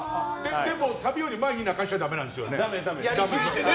サビより前に泣かしたらだめなんですよね？